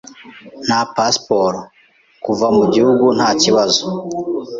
Nta pasiporo, kuva mu gihugu ntakibazo.